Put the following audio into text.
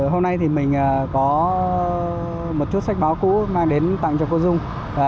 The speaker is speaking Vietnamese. hôm nay thì mình có một chút sách báo cũ mang đến tặng cho cô dung